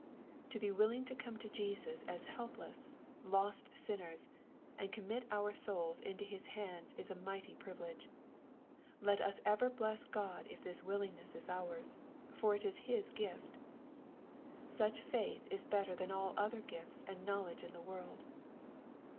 To be willing to come to Jesus as helpless, lost sii^^ners, and commit our souls into His hands is a mighty privilege. Let us ever bless God if this willingness is ours, for it is His gift. Such fitith is better than all other gifts and knowledge in the world.